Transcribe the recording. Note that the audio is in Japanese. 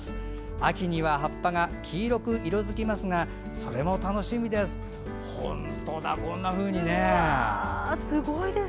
秋には葉っぱが黄色く色づきますがそれも楽しみです。